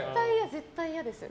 絶対嫌です。